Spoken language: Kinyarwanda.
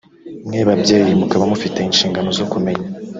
mwe babyeyi mukaba mufite inshingano zo kumenya